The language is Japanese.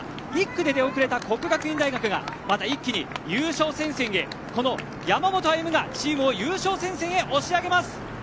１区で出遅れた國學院大學がまた一気に優勝戦線へこの山本歩夢がチームを優勝戦線へ押し上げます。